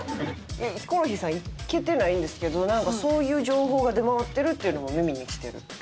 ヒコロヒーさん行けてないんですけどなんかそういう情報が出回ってるっていうのは耳にしてる。